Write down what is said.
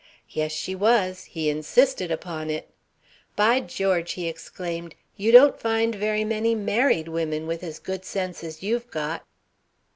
Yes, she was. He insisted upon it. "By George," he exclaimed, "you don't find very many married women with as good sense as you've got."